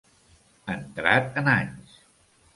Entrat en anys.